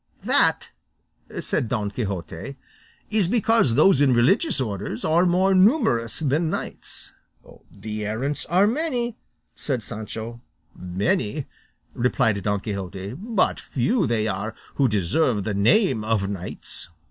"That," said Don Quixote, "is because those in religious orders are more numerous than knights." "The errants are many," said Sancho. "Many," replied Don Quixote, "but few they who deserve the name of knights."